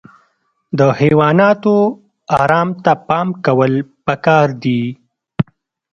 د حیواناتو ارام ته پام کول پکار دي.